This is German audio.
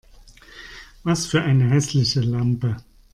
Was für eine hässliche Lampe!